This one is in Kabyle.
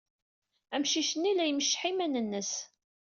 Amcic-nni la imecceḥ iman-nnes.